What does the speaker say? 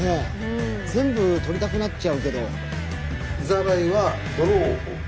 全部取りたくなっちゃうけど。